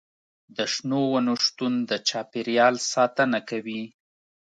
د شنو ونو شتون د چاپیریال ساتنه کوي.